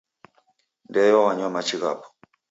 Ndeyo wanywa machi ghapo.